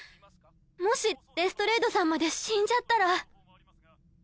もしレストレードさんまで死んじゃったら。